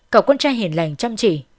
cậu con trai hiền lành chăm chỉ